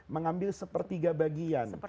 mengambil sepertiga bagian